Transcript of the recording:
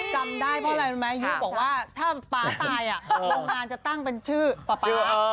จำได้เพราะอะไรรู้ไหมยุบอกว่าถ้าป๊าตายโรงงานจะตั้งเป็นชื่อป๊าป๊า